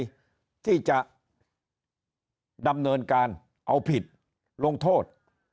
คุณก็จะต้องการยุติธรรมที่จะดำเนินการเอาผิดลงโทษ